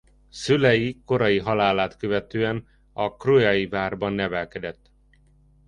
Szülei korai halálát követően a krujai várban nevelkedett.